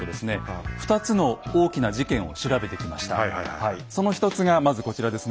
はいその１つがまずこちらですね。